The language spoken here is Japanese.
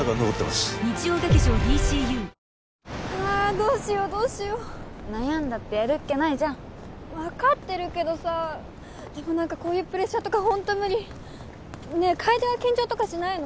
どうしようどうしよう悩んだってやるっきゃないじゃん分かってるけどさでも何かこういうプレッシャーとかホントムリねえ楓は緊張とかしないの？